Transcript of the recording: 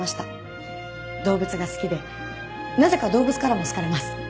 動物が好きでなぜか動物からも好かれます。